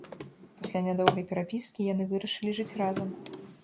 Пасля нядоўгай перапіскі яны вырашылі жыць разам.